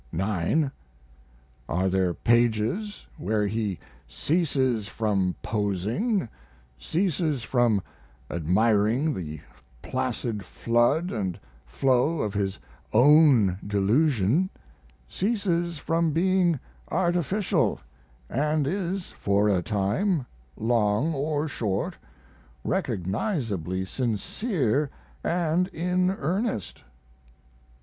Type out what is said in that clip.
9. Are there pages where he ceases from posing, ceases from admiring the placid flood & flow of his own dilution, ceases from being artificial, & is for a time, long or short, recognizably sincere & in earnest?